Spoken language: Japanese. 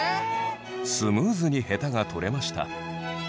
スムーズにヘタが取れました。